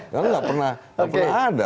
karena nggak pernah ada